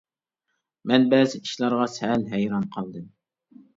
مەن بەزى ئىشلارغا سەل ھەيران قالدىم.